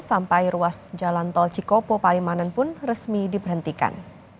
sampai ruas jalan tol cikopo palimanan pun resmi diberhentikan